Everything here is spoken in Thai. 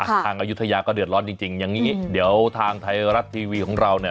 อายุทยาก็เดือดร้อนจริงจริงอย่างนี้เดี๋ยวทางไทยรัฐทีวีของเราเนี่ย